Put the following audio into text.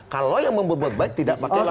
kalau yang membuat buat baik tidak pakai data